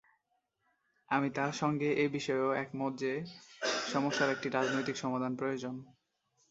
আমি তাঁর সঙ্গে এ বিষয়েও একমত যে সমস্যার একটি রাজনৈতিক সমাধান প্রয়োজন।